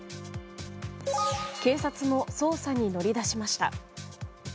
警察も捜査に乗り出しました。